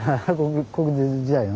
国鉄時代のね。